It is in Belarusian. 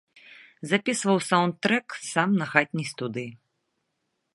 Запісваў саўнд-трэк сам на хатняй студыі.